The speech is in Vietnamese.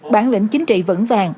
bản lĩnh chính trị vững vàng